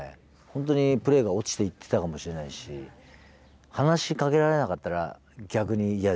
本当にプレーが落ちていってたかもしれないし話しかけられなかったら逆に嫌じゃないですか。